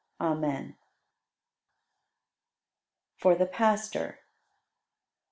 Amen. For the Pastor.